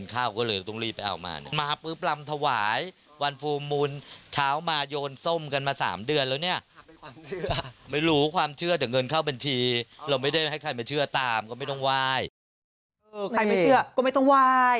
ก็เลยต้องรีบไปออกมาเนี่ยมาปื๊บลำถวายวันฟูมูลเช้ามาโยนทรมกันมาสามเดือนแล้วเนี่ยไปรู้ความเชื่อแต่เงินเข้าบัญชีเราไม่ได้ให้ใครมาเชื่อตามก็ไม่ต้องไหว่